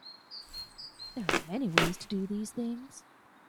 There are many ways to do these things.